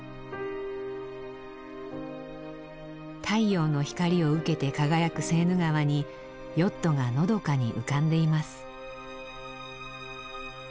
太陽の光を受けて輝くセーヌ川にヨットがのどかに浮かんでいます。